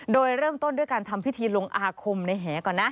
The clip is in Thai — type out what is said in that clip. โดยเริ่มต้นด้วยการทำพิธีลงอาคมในแหก่อนนะ